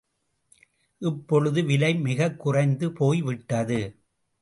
இப்பொழுது விலை மிகக்குறைந்து போய்விட்டது.